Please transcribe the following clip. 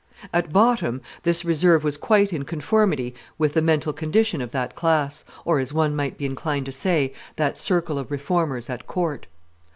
At bottom this reserve was quite in conformity with the mental condition of that class, or as one might he inclined to say, that circle of Reformers at court.